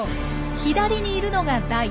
左にいるのがダイ。